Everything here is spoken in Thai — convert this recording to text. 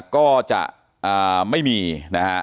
ก็จะไม่มีนะครับ